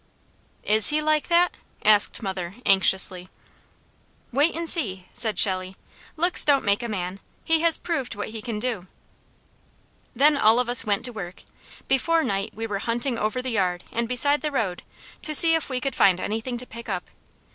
"Is he like that?" asked mother anxiously. "Wait and see!" said Shelley. "Looks don't make a man. He has proved what he can do." Then all of us went to work. Before night we were hunting over the yard, and beside the road, to see if we could find anything to pick up.